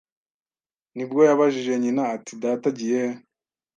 Nibwo yabajije nyina ati data agiye he